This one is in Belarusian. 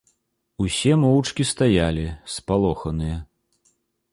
Усе моўчкі стаялі, спалоханыя.